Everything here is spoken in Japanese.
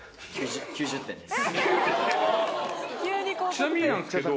ちなみになんですけど。